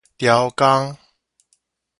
刁工